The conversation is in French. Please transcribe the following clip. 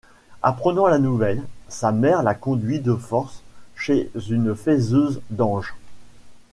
Apprenant la nouvelle, sa mère la conduit de force chez une faiseuse d'anges.